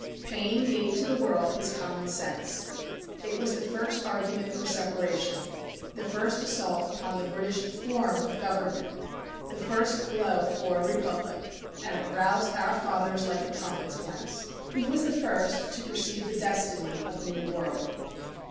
Paine gave to the world his "Common Sense." It was the first argument for separation, the first assault upon the British form of government, the first blow for a republic, and it roused our fathers like a trumpet's blast. He was the first to perceive the destiny of the New World.